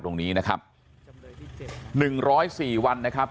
ตรงนี้นะครับหนึ่งร้อยสี่วันนะครับ